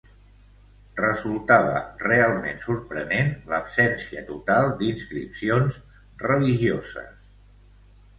Resultava realment sorprenent l'absència total d'inscripcions religioses